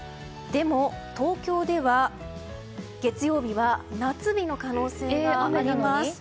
でも、東京では月曜日は夏日の可能性があります。